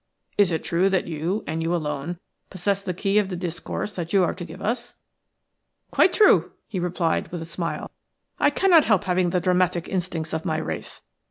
Is it true that you, and you alone, possess the key of the discourse that you are to give us?" "Quite true," he replied, with a smile. "I cannot help having the dramatic instincts of my race.